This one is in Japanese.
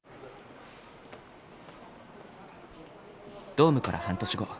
ドームから半年後